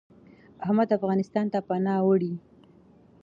احمد افغانستان ته پناه وړي .